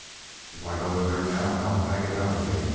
"If I go in there how can I get out again?"